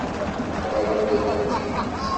Nebɣa abeddel n tidet.